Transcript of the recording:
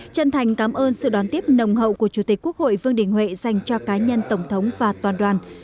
chân thành cảm ơn sự đón tiếp nồng hậu của chủ tịch quốc hội vương đình huệ dành cho cá nhân tổng thống và toàn đoàn